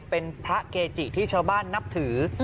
เป็นพระเกจิที่ชาวบ้านนับถือ